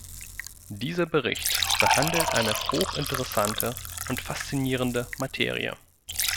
Dieser Bericht behandelt eine hochinteressante und faszinierende Materie.